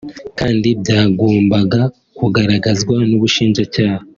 kandi byagombaga kugaragazwa n’Ubushinjacyaha